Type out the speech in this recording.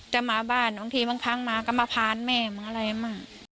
จะมาบ้านบางทีมันพังมาก็มาพานแม่มันอะไรอ่ะม่ะ